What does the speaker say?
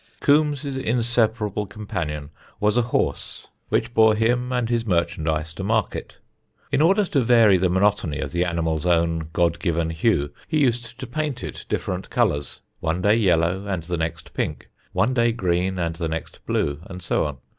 Coombs' inseparable companion was a horse which bore him and his merchandise to market. In order to vary the monotony of the animal's own God given hue, he used to paint it different colours, one day yellow and the next pink, one day green and the next blue, and so on.